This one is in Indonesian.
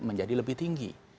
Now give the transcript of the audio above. menjadi lebih tinggi